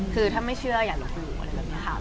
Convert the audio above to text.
คือถ้าไม่เชื่ออย่าหลบหนู